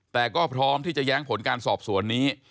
แต่ก็พร้อมที่จะแย้งผลการสอบสวนนี้